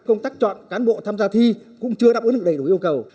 công tác chọn cán bộ tham gia thi cũng chưa đáp ứng được đầy đủ yêu cầu